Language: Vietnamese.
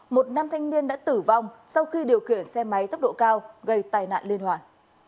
một nam thanh niên đã tử vong sau khi điều kiện xe máy tốc độ cao gây tài nạn liên hoạn